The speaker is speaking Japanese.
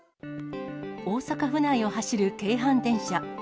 大阪府内を走る京阪電車。